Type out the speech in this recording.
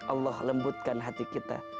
allah lembutkan hati kita